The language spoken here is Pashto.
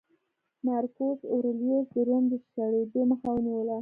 مارکوس اورلیوس د روم د شړېدو مخه ونیوله